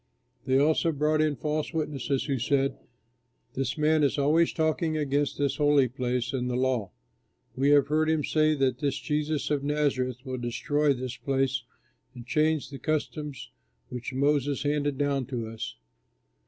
They also brought in false witnesses who said, "This man is always talking against this holy place and the law. We have heard him say that this Jesus of Nazareth will destroy this place and change the customs which Moses handed down to us!"